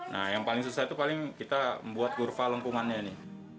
nah yang paling susah itu paling kita buat kurva lengkungannya ini